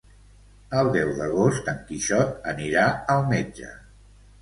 El deu d'agost en Quixot anirà al metge.